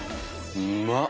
うまっ！